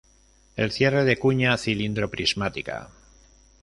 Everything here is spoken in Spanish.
El cierre de cuña cilindro-prismática.